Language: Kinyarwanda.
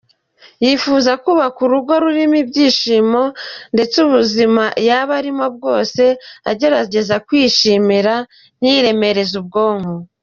Yifuza kubaka urugo rurimo ibyishimo ndetse ubuzima yaba arimo bwose agerageza kwishima ntiyiremereze ubwonko.